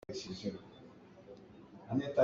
Khua dang ah an pem.